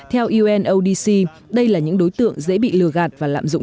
theo unodc đây là những đối tượng dễ dàng hơn